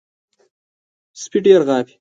سپي ډېر غاپي .